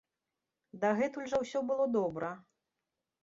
Дагэтуль жа ўсё было добра.